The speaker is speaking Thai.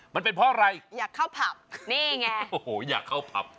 มันเป็นเพราะอะไรอยากเข้าผับนี่ไงโอ้โหอยากเข้าผับ